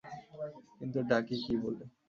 কিন্তু ডাকি কী বলে।